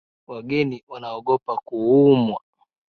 Wageni wanaogopa kuumwa.